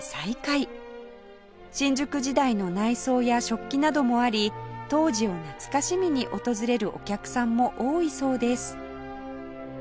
新宿時代の内装や食器などもあり当時を懐かしみに訪れるお客さんも多いそうです